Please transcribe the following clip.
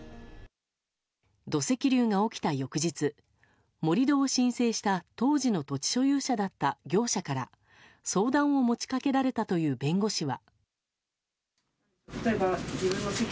土石流が起きた翌日盛り土を申請した当時の土地所有者だった業者から相談を持ち掛けられたという弁護士は。